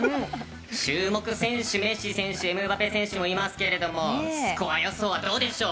注目選手メッシ選手、エムバペ選手はいますけどスコア予想どうでしょう？